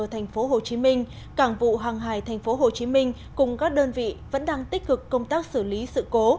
tp hcm cảng vụ hàng hải tp hcm cùng các đơn vị vẫn đang tích cực công tác xử lý sự cố